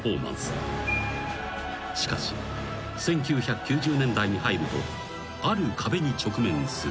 ［しかし１９９０年代に入るとある壁に直面する］